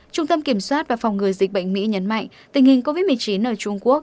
trung tâm kiểm soát và phòng ngừa dịch bệnh mỹ nhấn mạnh tình hình covid một mươi chín ở trung quốc